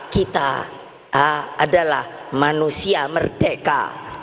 kita adalah manusia merdeka